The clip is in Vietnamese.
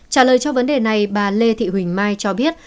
trả lời cho vấn đề này bà lê thị huỳnh mai cho biết